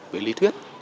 về lý thuyết